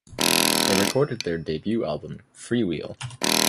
They recorded their debut album, Freewheel!